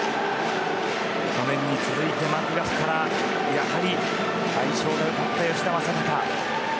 去年に続いてマクガフからやはり相性が良かった吉田正尚。